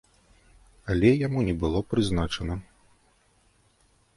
Але яму не было прызначана.